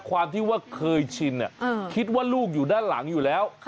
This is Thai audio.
ความที่ว่าเคยชินคิดว่าลูกอยู่ด้านหลังอยู่แล้ว